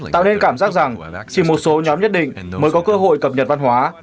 tạo nên cảm giác rằng chỉ một số nhóm nhất định mới có cơ hội cập nhật văn hóa